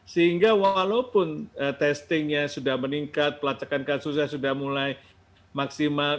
sehingga walaupun testingnya sudah meningkat pelacakan kasusnya sudah mulai maksimal